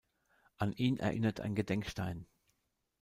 An ihn erinnert ein Gedenkstein.